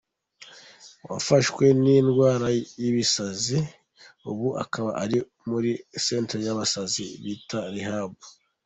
Wafashwe n’indwara y’ibisazi ubu akaba ari muri Centre y’abasazi bita Rehab.